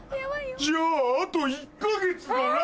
じゃああと１か月だな！